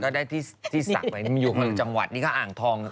ก็ได้ที่ศักดิ์ยันต์อยู่ในจังหวัดนี่ค่ะอ่างทอง